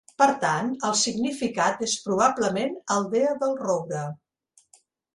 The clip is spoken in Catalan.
Per tant, el significat és probablement "aldea del roure".